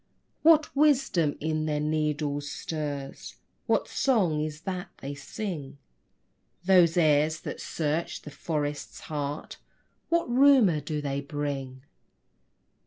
What wisdom in their needles stirs? What song is that they sing? Those airs that search the forest's heart, What rumor do they bring?